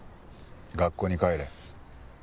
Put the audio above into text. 学校に帰れ。